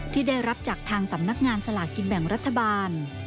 ที่ได้รับจากทางสำนักงานสลากกินแบ่งรัฐบาล